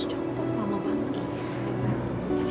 itu mamanya tak passengers